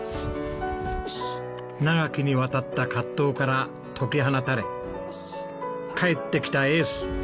長きにわたった葛藤から解き放たれ帰ってきたエース。